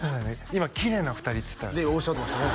今「きれいな２人」っつったよねねえおっしゃってましたね